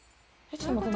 ちょっと待って。